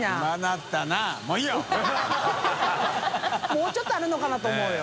もうちょっとあるのかなと思うよ。